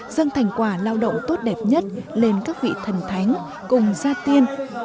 dâng thành quả lao động tốt đẹp nhất lên các vị thần thánh cùng gia tiên